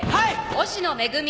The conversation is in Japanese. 忍野めぐみ。